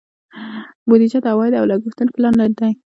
بودیجه د عوایدو او لګښتونو پلان دی.